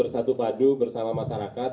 satu padu bersama masyarakat